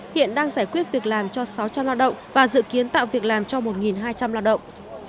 hiện đang giải quyết việc làm cho sáu trăm linh lao động và dự kiến tạo việc làm cho một hai trăm linh lao động